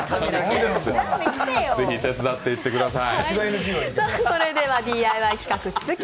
ぜひ手伝ってやってください。